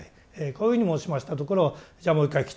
こういうふうに申しましたところじゃあもう一回来てみなさいって。